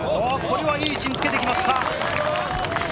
いい位置につけてきました。